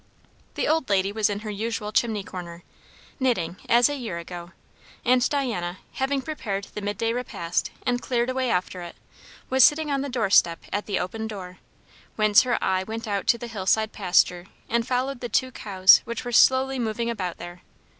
The old lady was in her usual chimney corner, knitting, as a year ago; and Diana, having prepared the mid day repast and cleared away after it, was sitting on the doorstep at the open door; whence her eye went out to the hillside pasture and followed the two cows which were slowly moving about there.